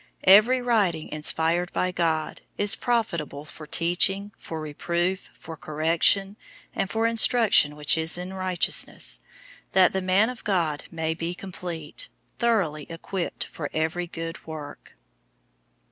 003:016 Every writing inspired by God{literally, God breathed} is profitable for teaching, for reproof, for correction, and for instruction which is in righteousness, 003:017 that the man of God may be complete, thoroughly equipped for every good work.